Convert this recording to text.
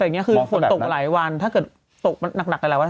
แต่ในง่ายคือฝนตกมาหลายวันถ้าเกิดตกมันนักออกมาหลายวัน